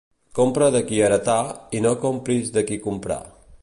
Compra de qui heretà i no compris de qui comprà.